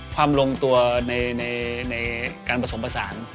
ลงตัวในการผสมผสาน